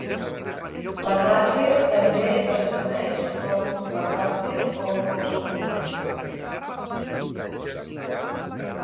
La classe també es coneix com la classe "Oosumi".